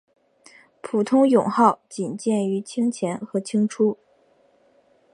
普通勇号仅见于清前和清初。